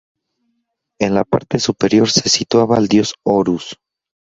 En la parte superior se situaba al dios Horus.